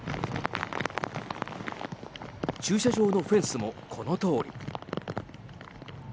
駐車場のフェンスもこのとおり。